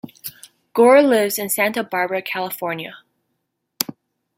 Gore lives in Santa Barbara, California.